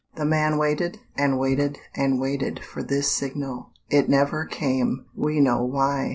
The man waited and waited and waited for this signal; it never came; we know why.